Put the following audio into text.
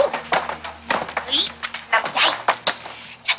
ลำยาย